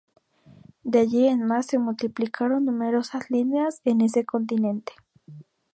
De allí en más se multiplicaron numerosas líneas en ese continente.